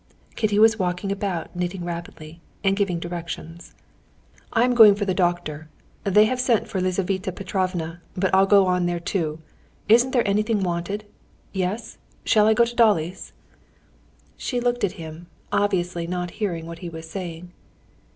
Kitty was walking about knitting rapidly and giving directions. "I'm going for the doctor. They have sent for Lizaveta Petrovna, but I'll go on there too. Isn't there anything wanted? Yes, shall I go to Dolly's?" She looked at him, obviously not hearing what he was saying.